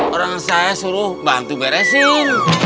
orang saya suruh bantu beresin